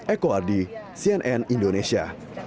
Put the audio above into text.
eko ardi cnn indonesia